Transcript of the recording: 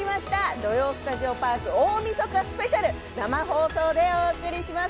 「土曜スタジオパーク大みそかスペシャル」生放送でお送りします。